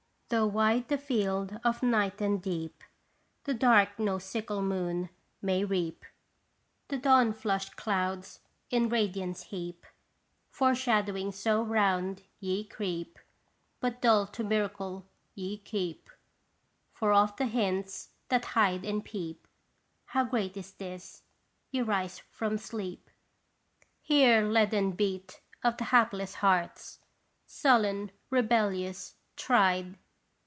Though wide the field of night and deep, The dark no sickle moon may reap, The dawn flushed clouds in radiance heap ; Foreshadowings so round ye creep, But dull to miracle ye keep, For of the hints that hide and peep, How great is this : ye rise from sleep ! Hear leaden beat of the hapless hearts, sullen, rebellious, tried.